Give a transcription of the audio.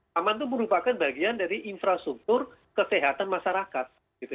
taman itu merupakan bagian dari infrastruktur kesehatan masyarakat